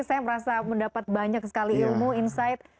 saya merasa mendapat banyak sekali ilmu insight